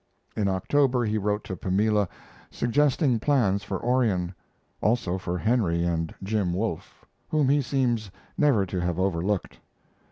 In October he wrote to Pamela, suggesting plans for Orion; also for Henry and Jim Wolfe, whom he seems never to have overlooked.